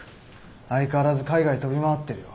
相変わらず海外飛び回ってるよ。